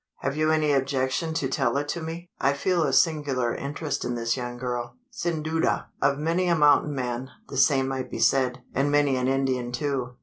"Have you any objection to tell it to me? I feel a singular interest in this young girl." "Sin duda! Of many a mountain man, the same might be said; and many an Indian too.